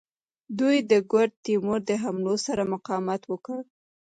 دوی د ګوډ تیمور د حملو سره مقاومت وکړ.